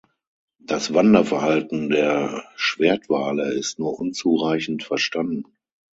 Das Wanderverhalten der Schwertwale ist nur unzureichend verstanden.